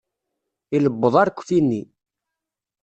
Ilebbeḍ arekti-nni.